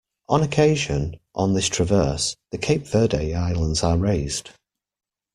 On occasion, on this traverse, the Cape Verde Islands are raised.